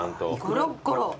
ゴロッゴロ。